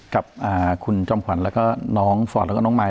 กับคุณจอมขวัญแล้วก็น้องฟอร์ดแล้วก็น้องมาย